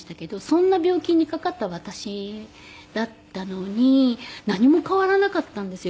そんな病気にかかった私だったのに何も変わらなかったんですよ